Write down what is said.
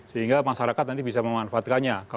sehingga masyarakat nanti bisa memanfaatkannya